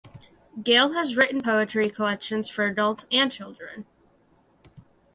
Gaile has written poetry collection for adults and children.